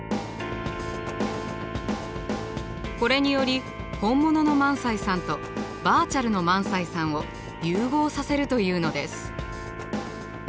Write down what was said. これにより本物の萬斎さんとバーチャルの萬斎さんを融合させるというのです。